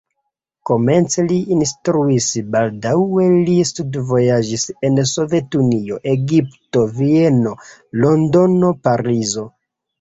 Komence li instruis, baldaŭe li studvojaĝis en Sovetunio, Egipto, Vieno, Londono, Parizo.